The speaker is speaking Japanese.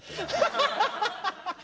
ハハハハハ。